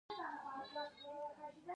ډيپلومات د ملي ګټو دفاع کوي.